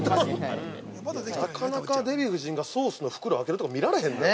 なかなか、デヴィ夫人がソースの袋を開けるとこ見られへんね。